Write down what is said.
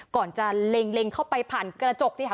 ก่อนจะเล็งเข้าไปผ่านกระจกสิค่ะ